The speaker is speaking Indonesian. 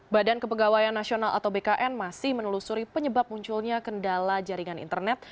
badan kepegawaian nasional atau bkn masih menelusuri penyebab munculnya kendala jaringan internet